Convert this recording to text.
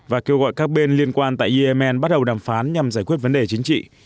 và kêu gọi các bên liên quan tại yemen bắt đầu đàm phán nhằm giải quyết vấn đề chính trị